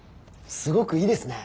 すごくいいですね。